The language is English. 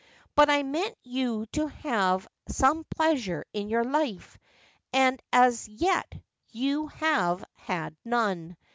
But I meant you to have some pleasure in your life : and as yet you have had none.